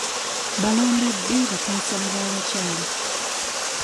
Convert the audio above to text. Balonda ddi ba kansala b'abakyala?